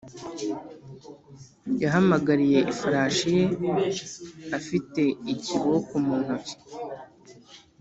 yahamagariye ifarashi ye afite ikiboko mu ntoki.